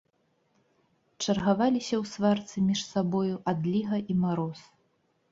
Чаргаваліся ў сварцы між сабою адліга і мароз.